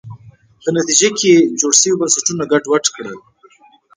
په نتیجه کې جوړ شوي بنسټونه ګډوډ کړي.